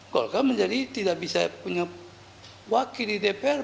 golkar menjadi tidak bisa punya wakil di dpr